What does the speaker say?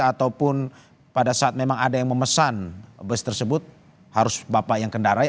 ataupun pada saat memang ada yang memesan bus tersebut harus bapak yang kendarai